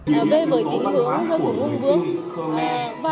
về với tính hướng của hùng vương